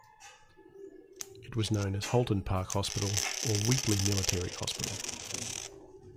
It was known as Holton Park Hospital or Wheatley Military Hospital.